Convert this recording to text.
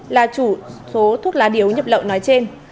là chủ số thuốc lá điếu nhập lậu nói trên